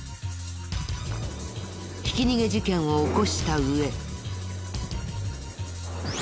ひき逃げ事件を起こした上。